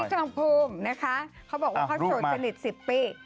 บิ๊กท้องภูมินะคะเขาบอกว่าเขาโชว์ชนิด๑๐ปี